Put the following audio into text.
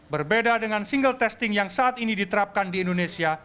berbeda dengan single testing yang saat ini diterapkan di indonesia